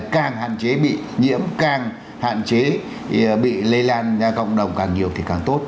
càng hạn chế bị nhiễm càng hạn chế bị lây lan ra cộng đồng càng nhiều thì càng tốt